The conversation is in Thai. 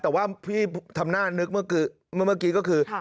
แต่ว่าพี่ทำหน้านึกเมื่อกี้ก็คือ